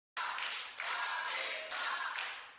nggak boleh gagal